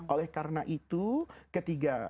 oleh karena itu ketiga